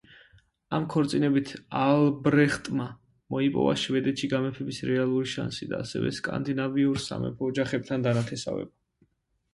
ამ ქორწინებით ალბრეხტმა მოიპოვა შვედეთში გამეფების რეალური შანსი და ასევე სკანდინავიურ სამეფო ოჯახებთან დანათესავება.